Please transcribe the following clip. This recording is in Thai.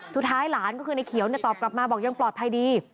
สุดท้ายหลานก็คือในเขียวตอบกลับมาบอกยังปลอดภัยดี